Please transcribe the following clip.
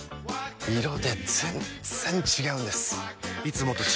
色で全然違うんです！